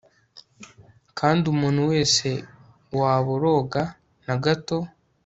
kandi umuntu wese waboroga na gato